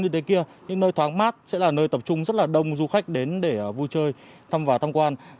như thế kia những nơi thoáng mát sẽ là nơi tập trung rất đông du khách đến để vui chơi thăm vào thăm quan